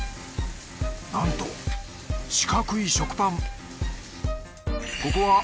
なんと四角い食パン。